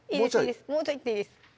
もうちょいいっていいです